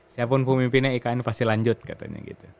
siapapun pemimpinnya ikn pasti lanjut katanya gitu